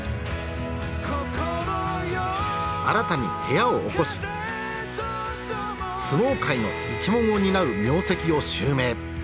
新たに部屋をおこし相撲界の一門を担う名跡を襲名。